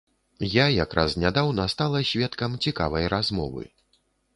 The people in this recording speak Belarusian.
Я як раз нядаўна стала сведкам цікавай размовы.